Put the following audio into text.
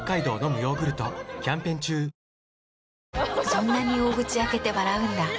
そんなに大口開けて笑うんだ。